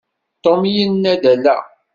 Tom yenna-d ala.